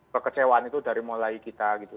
kekecewaan itu dari mulai kita gitu